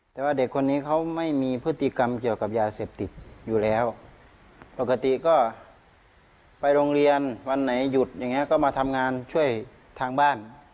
แต่ว่าเด็กคนนี้เขาไม่มีพฤติกรรมเกี่ยวกับยาเสพติดอยู่แล้วปกติก็ไปโรงเรียนวันไหนหยุดอย่างนี้ก็มาทำงานช่วยทางบ้าน